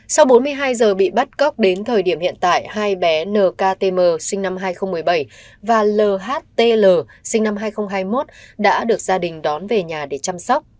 sau bốn mươi hai giờ bị bắt cóc đến thời điểm hiện tại hai bé nktm sinh năm hai nghìn một mươi bảy và lhtl sinh năm hai nghìn hai mươi một đã được gia đình đón về nhà để chăm sóc